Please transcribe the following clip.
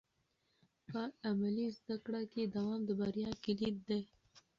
په عملي زده کړه کې دوام د بریا کلید دی.